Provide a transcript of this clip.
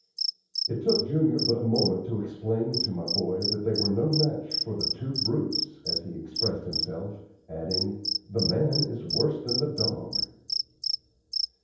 It took Junior but a moment to explain to my boy that they were no match "for the two brutes," as he expressed himself, adding, "The man is worse than the dog."